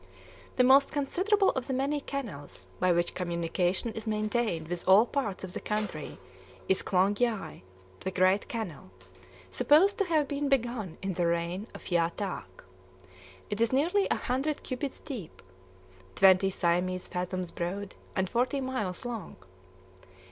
The most considerable of the many canals by which communication is maintained with all parts of the country is Klong Yai, the Great Canal, supposed to have been begun in the reign of Phya Tâk. It is nearly a hundred cubits deep, twenty Siamese fathoms broad, and forty miles long.